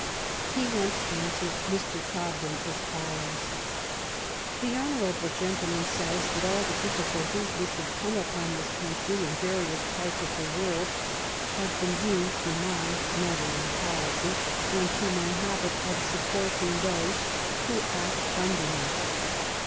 He once answered Mr. Gobden as follows :— The hon. gentleman says that all the difficulties which have come upon this country in yarious parts of the world have been due to my meddling policy, and to my habit of supporting those who act under BELGIAN INDEPENDENCE. 35 me.